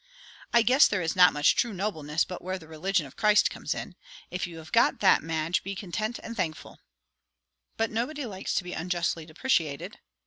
"I guess there is not much true nobleness but where the religion of Christ comes in. If you have got that, Madge, be content and thankful." "But nobody likes to be unjustly depreciated."